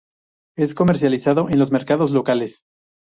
Es comercializado en los mercados locales.